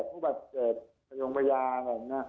ผู้บัตรเจิดทรยศวิยงพยาน